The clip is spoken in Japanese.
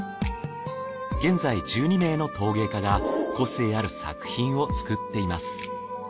現在１２名の陶芸家が個性ある作品を作っています。